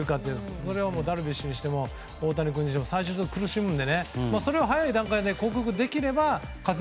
それはダルビッシュにしても大谷君にしても最初、苦しむのでそれを早い段階で克服できれば活躍